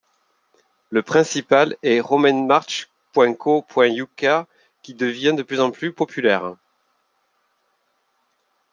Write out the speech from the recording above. Le principal est romneymarsh.co.uk qui devient de plus en plus populaire.